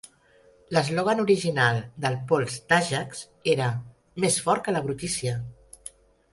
L'eslògan original del pols d'Ajax era Més fort que la brutícia!